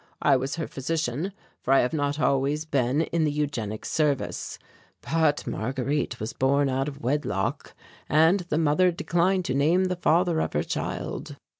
I was her physician, for I have not always been in the Eugenic Service. But Marguerite was born out of wedlock, and the mother declined to name the father of her child.